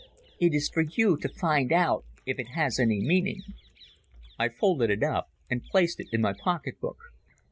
It is for you to find out if it has any meaning." I folded it up and placed it in my pocket book.